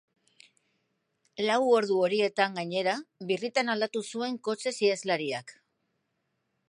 Lau ordu horietan, gainera, birritan aldatu zuen kotxez iheslariak.